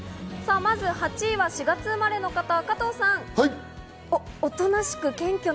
まず８位は４月生まれの方、はい！